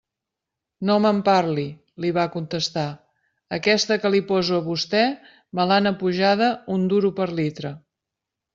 «No me'n parli», li va contestar, «aquesta que li poso a vostè me l'han apujada un duro per litre».